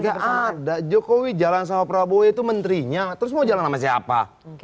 gak ada jokowi jalan sama prabowo itu menterinya terus mau jalan sama siapa